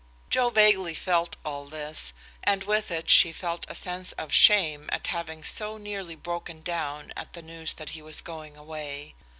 Joe vaguely felt all this, and with it she felt a sense of shame at having so nearly broken down at the news that he was going away.